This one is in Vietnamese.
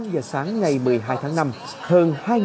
năm h sáng ngày một mươi hai tháng năm